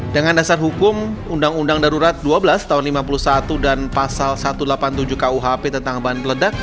dengan dasar hukum undang undang darurat dua belas tahun seribu sembilan ratus lima puluh satu dan pasal satu ratus delapan puluh tujuh kuhp tentang bahan peledak